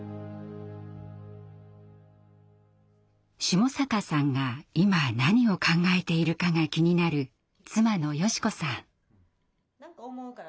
下坂さんが今何を考えているかが気になる妻の佳子さん。